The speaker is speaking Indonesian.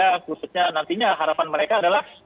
khususnya nantinya harapan mereka adalah